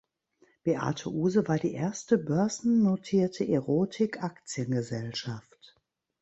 Beate Uhse war die erste börsennotierte Erotik-Aktiengesellschaft.